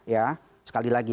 ya sekali lagi